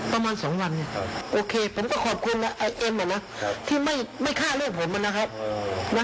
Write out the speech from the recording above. ประมาณสองวันเนี่ยโอเคผมก็ขอบคุณนะไอ้เอมอะนะที่ไม่ฆ่าลูกผมอะนะครับ